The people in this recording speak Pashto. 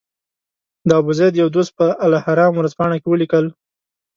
د ابوزید یو دوست په الاهرام ورځپاڼه کې ولیکل.